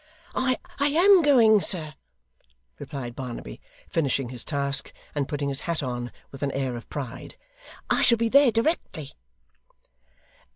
'I am going, sir,' replied Barnaby, finishing his task, and putting his hat on with an air of pride. 'I shall be there directly.